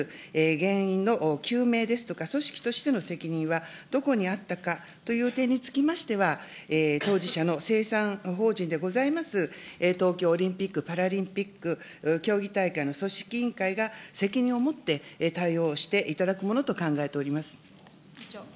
原因の究明ですとか組織としての責任は、どこにあったかという点につきましては、当事者の清算法人でございます、東京オリンピック・パラリンピック競技大会の組織委員会が責任を持って対応していただくものと考えております。